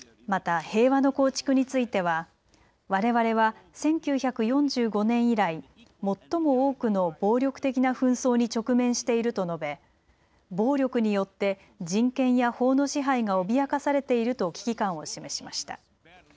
また、平和の構築についてはわれわれは１９４５年以来、最も多くの暴力的な紛争に直面していると述べ暴力によって人権や法の支配が脅かされていると危機感を示しました。